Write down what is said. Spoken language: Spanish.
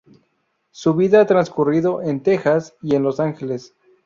Su vida ha transcurrido en Texas y en Los Ángeles.